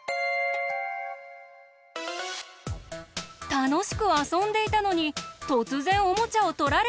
たのしくあそんでいたのにとつぜんおもちゃをとられちゃった。